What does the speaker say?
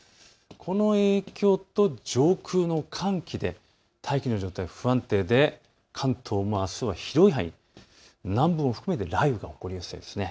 この影響と上空の寒気で大気の状態、不安定で関東もあすは広い範囲、南部も含めて雷雨が起こりやすいです。